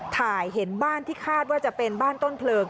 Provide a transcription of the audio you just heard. เห็นบ้านที่คาดว่าจะเป็นบ้านต้นเพลิง